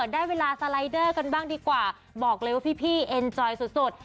ได้เวลาสไลเดอร์กันบ้างดีกว่าบอกเลยว่าพี่เอ็นจอยสุด